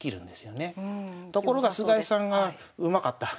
ところが菅井さんがうまかった。